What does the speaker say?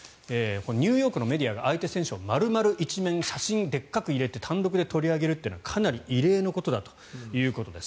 ニューヨークのメディアが相手選手を丸々一面写真をでっかく入れて単独で取り上げるというのはかなり異例だということです。